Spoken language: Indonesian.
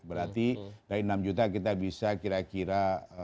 berarti dari enam juta kita bisa kira kira